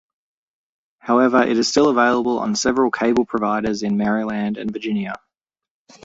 However, it is still available on several cable providers in Maryland and Virginia.